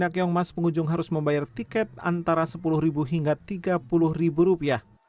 di legenda keongmas pengunjung harus membayar tiket antara sepuluh hingga tiga puluh rupiah